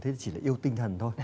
thế thì chỉ là yêu tinh thần thôi